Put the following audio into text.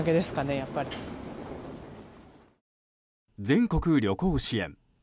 全国旅行支援。